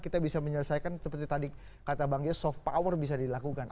kita bisa menyelesaikan seperti tadi kata bang yose soft power bisa dilakukan